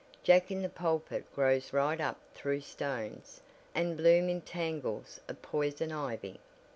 Jacks in the Pulpit grow right up through stones, and bloom in tangles of poison ivy."